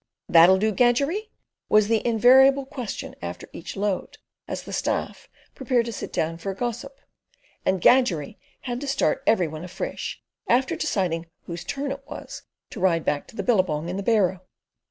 "That'll do, Gadgerrie?" was the invariable question after each load, as the staff prepared to sit down for a gossip; and "Gadgerrie" had to start every one afresh, after deciding whose turn it was to ride back to the billabong in the barrow.